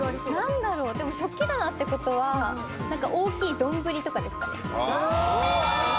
食器棚ってことは、大きい丼とかですかね？